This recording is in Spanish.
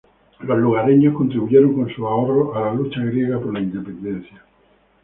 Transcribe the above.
Los lugareños contribuyeron con sus ahorros a la lucha griega por la independencia.